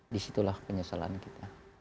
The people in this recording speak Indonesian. disitulah penyesalan kita